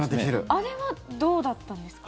あれはどうだったんですか。